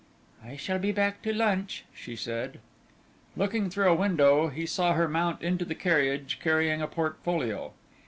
"I shall be back to lunch," she said. Looking through a window he saw her mount into the carriage carrying a portfolio.